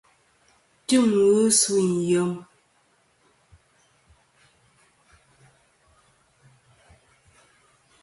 Tim ghi sûyn yem.